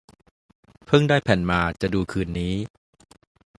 เพิ่งได้แผ่นมา จะดูคืนนี้